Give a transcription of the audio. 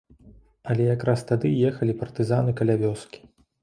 Але якраз тады ехалі партызаны каля вёскі.